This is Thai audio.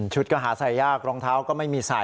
ก็หาใส่ยากรองเท้าก็ไม่มีใส่